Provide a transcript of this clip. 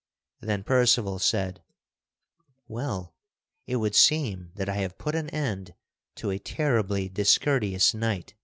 Then Percival said: "Well, it would seem that I have put an end to a terribly discourteous knight to ladies."